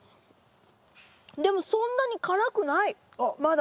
でもそんなに辛くないまだ。